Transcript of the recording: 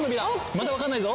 まだわかんないぞ。